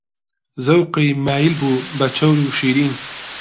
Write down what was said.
زەوقی مایل بوو بە چەور و شیرین